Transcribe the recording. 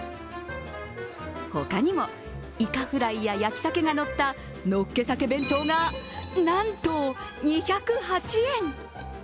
他にも、いかフライや焼き鮭がのったのっけ鮭弁当がなんと２０８円。